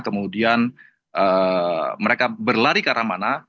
kemudian mereka berlari ke arah mana